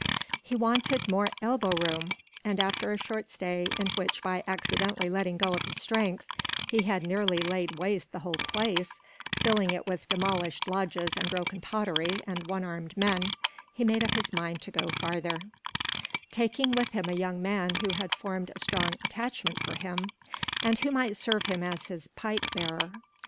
He wanted more elbow room; and after a short stay, in which by accidentally letting go of his strength he had nearly laid waste the whole place, filling it with demolished lodges and broken pottery and one armed men, he made up his mind to go farther, taking with him a young man who had formed a strong attachment for him, and who might serve him as his pipe bearer.